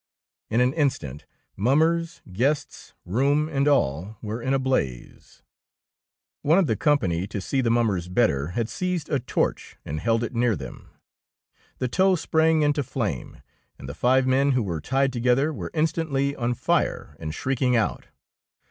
In an instant mummers, guests, room, and all were in a blaze. One of the company, to see the mum mers better, had seized a torch and held it near them. The tow sprang into flame, and the five men who were tied together were instantly on fire and shrieking out.